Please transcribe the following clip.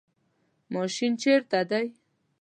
ماشین چیرته دی؟